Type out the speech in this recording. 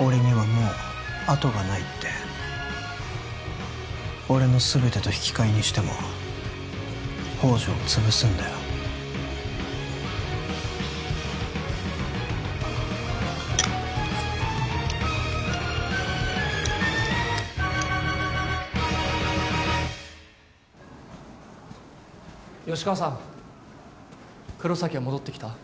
俺にはもう後がないって俺の全てと引き換えにしても宝条を潰すんだよ吉川さん黒崎は戻ってきた？